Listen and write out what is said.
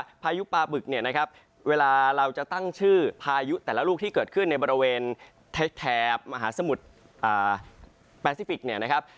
พายุปลาบึกเนี่ยนะครับเวลาเราจะตั้งชื่อพายุแต่ละลูกที่เกิดขึ้นในบริเวณแถบมหาสมุทรแปซิฟิกเนี่ยนะครับ